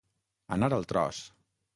Anar al tros.